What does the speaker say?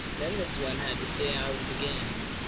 Then this one had to stay out of the game.